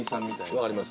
わかります。